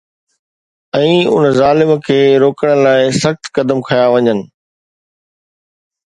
۽ ان ظالم کي روڪڻ لاءِ سخت قدم کنيا وڃن